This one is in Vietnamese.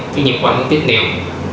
phương nhiệm của bệnh viện tích niệm